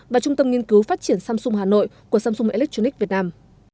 và trung tâm nghiên cứu phát triển samsung hà nội của samsung electronic việt nam